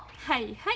はい。